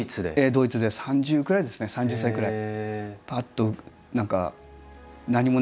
ドイツで３０くらいですね３０歳くらい。